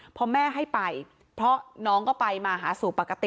พอแม่ให้ไปเพราะน้องก็ไปมาหาสู่ปกติ